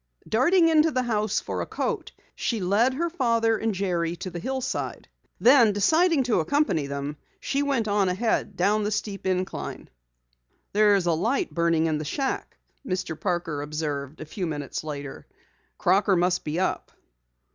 Darting into the house for a coat, she led her father and Jerry to the hillside. Then, deciding to accompany them, she went on ahead down the steep incline. "There's a light burning in the shack," Mr. Parker observed a few minutes later. "Crocker must be up."